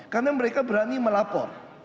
karena mereka berani melapor